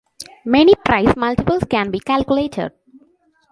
Many price multiples can be calculated.